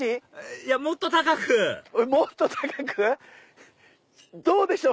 いやもっと高くもっと高く⁉どうでしょう？